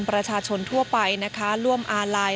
ประชาชนทั่วไปนะคะร่วมอาลัย